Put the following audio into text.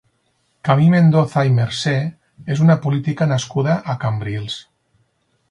Camí Mendoza i Mercè és una política nascuda a Cambrils.